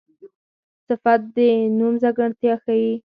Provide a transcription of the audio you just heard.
صفت د نوم ځانګړتیا ښيي.